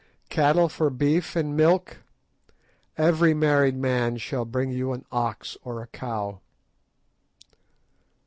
Cattle for beef and milk? Every married man shall bring you an ox or a cow.